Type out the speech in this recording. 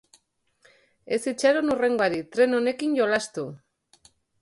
Ez itxaron hurrengoari, tren honekin jolastu.